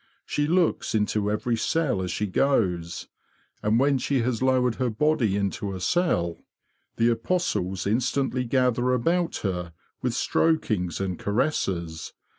She looks into every cell as she goes, and when she has lowered her body into a cell, the Apostles SUMMER LIFE IN A BEE HIVE 169 instantly gather about her, with strokings and caresses.